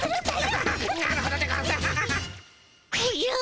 アハハなるほどでゴンス。